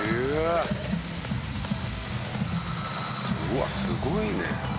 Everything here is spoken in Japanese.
「うわっすごいね」